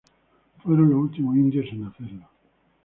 Fueron los últimos indios en hacerlo.